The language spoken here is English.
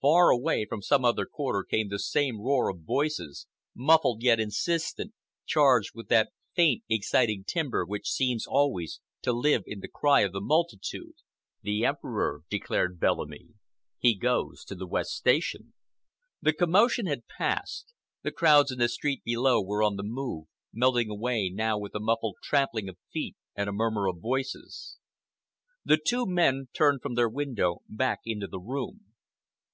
Far away from some other quarter came the same roar of voices, muffled yet insistent, charged with that faint, exciting timbre which seems always to live in the cry of the multitude. "The Emperor," declared Bellamy. "He goes to the West station." The commotion had passed. The crowds in the street below were on the move, melting away now with a muffled trampling of feet and a murmur of voices. The two men turned from their window back into the room.